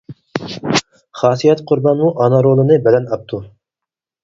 خاسىيەت قۇربانمۇ ئانا رولىنى بەلەن ئاپتۇ.